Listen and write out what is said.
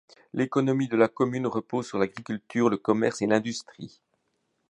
L'économie de la commune repose sur l'agriculture, le commerce et l'industrie.